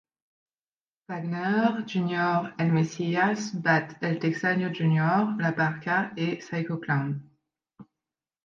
Wagner, Jr., El Mesías battent El Texano Jr., La Parka et Psycho Clown.